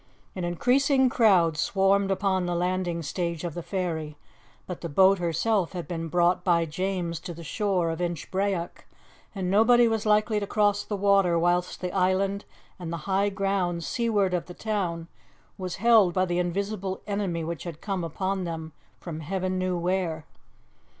An increasing crowd swarmed upon the landing stage of the ferry, but the boat herself had been brought by James to the shore of Inchbrayock, and nobody was likely to cross the water whilst the island and the high ground seaward of the town was held by the invisible enemy which had come upon them from heaven knew where.